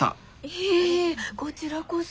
いえいえこちらこそ。